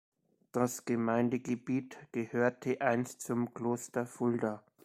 Das Gemeindegebiet gehörte einst zum Kloster Fulda.